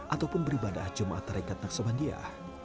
ataupun beribadah jemaah tarekat naksabandia